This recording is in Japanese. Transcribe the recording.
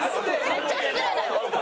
めっちゃ失礼だよ！